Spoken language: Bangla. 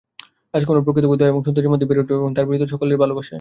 রাজকুমারী প্রকৃতপক্ষে দয়া এবং সৌন্দর্যের মধ্যেই বেড়ে উঠবে, তার পরিচিত সকলের ভালবাসায়।